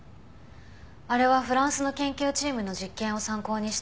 あれはフランスの研究チームの実験を参考にしたんだけど。